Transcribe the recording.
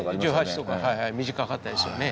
１８とかはいはい短かったですよね。